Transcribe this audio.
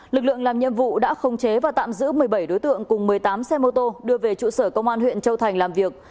lực lượng làm nhiệm vụ đã khống chế và tạm giữ một mươi bảy đối tượng cùng một mươi tám xe mô tô đưa về trụ sở công an huyện châu thành làm việc